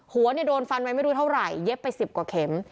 หัวโดนฟันไว้ไม่รู้เท่าไหร่เย็บไป๑๐กว่าเข็ม